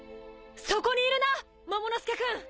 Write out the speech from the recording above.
そこにいるなモモの助君。